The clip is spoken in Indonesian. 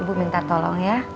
ibu minta tolong ya